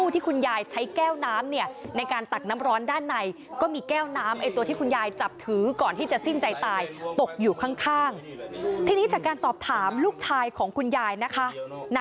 ที่นี่จากการสอบถามลูกชายของคุณยายนะคะ